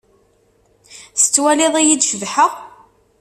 Tettwaliḍ-iyi-d cebḥeɣ?